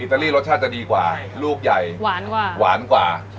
อิตาลีรสชาติจะดีกว่าลูกใหญ่หวานกว่า